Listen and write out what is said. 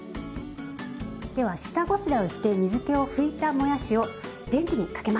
では下ごしらえをして水けを拭いたもやしをレンジにかけます。